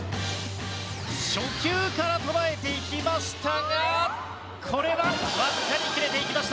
初球から捉えていきましたがこれはわずかに切れていきました。